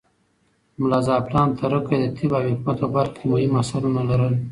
ملا زعفران تره کى د طب او حکمت په برخه کې مهم اثرونه لرل.